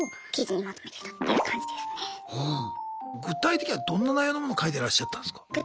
具体的にはどんな内容のもの書いてらっしゃったんすか？